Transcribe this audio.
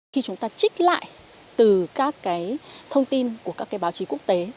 khi chúng ta trích lại từ các cái thông tin của các cái báo chí quốc tế